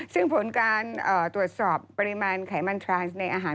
ซึ่งผลการตรวจสอบปริมาณไขมันทรานซ์ในอาหาร